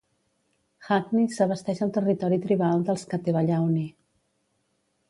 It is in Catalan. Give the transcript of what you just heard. Hackney s'abasteix al territori tribal dels Catevallauni.